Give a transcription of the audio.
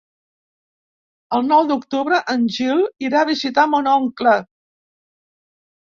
El nou d'octubre en Gil irà a visitar mon oncle.